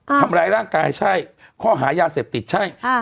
ทำร้ายร่างกายใช่ข้อหายาเสพติดใช่ค่ะ